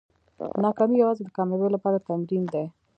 ناکامي یوازې د کامیابۍ لپاره تمرین دی.